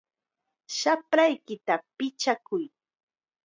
¡Shapraykita pichakuy!